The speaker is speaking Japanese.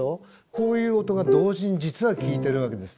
こういう音が同時に実は聴いてるわけです。